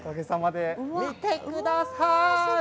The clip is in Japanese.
見てください。